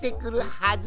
「はず」？